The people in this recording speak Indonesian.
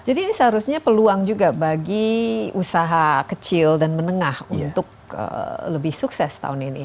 jadi ini seharusnya peluang juga bagi usaha kecil dan menengah untuk lebih sukses tahun ini